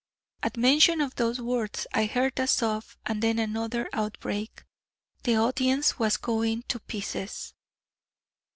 At mention of those words I heard a sob and then another outbreak; the audience was going to pieces."